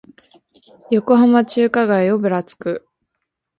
横浜中華街をぶらつく